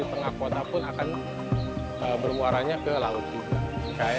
tengah kota pun akan bermuaranya ke laut juga